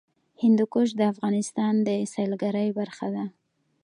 هندوکش د افغانستان د سیلګرۍ برخه ده.